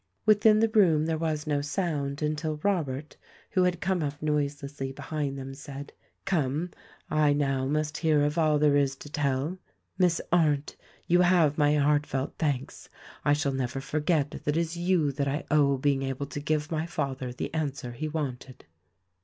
Within the room there was no sound until Robert, who had come up noiselessly behind them said, "Come, I now must hear of all there is to tell. Miss Arndt, you have my heartfelt thanks — I shall never forget that it is to you that I owe being able to give my father the answer he wanted."